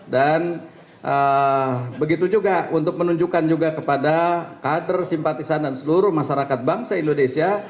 dan begitu juga untuk menunjukkan juga kepada kader simpatisan dan seluruh masyarakat bangsa indonesia